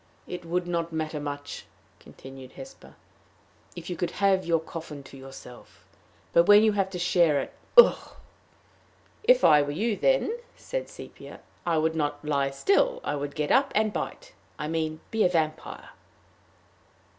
"It would not matter much," continued Hesper, "if you could have your coffin to yourself; but when you have to share it ugh!" "If I were you, then," said Sepia, "I would not lie still; I would get up and bite I mean, be a vampire."